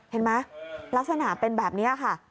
เห็นไหมลักษณะเป็นแบบนี้ค่ะ